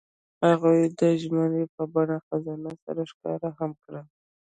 هغوی د ژمنې په بڼه خزان سره ښکاره هم کړه.